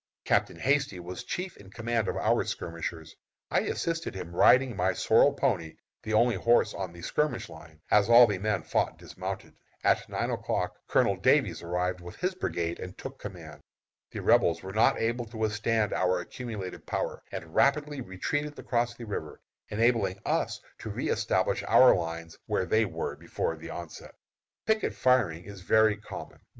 Captain Hasty was chief in command of our skirmishers. I assisted him, riding my sorrel pony, the only horse on the skirmish line, as all the men fought dismounted. At nine o'clock Colonel Davies arrived with his brigade and took command. The Rebels were not able to withstand our accumulated power, and rapidly retreated across the river, enabling us to reëstablish our lines where they were before the onset. Picket firing is very common.